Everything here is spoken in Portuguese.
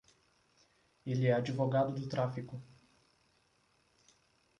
Ele é advogado do tráfico.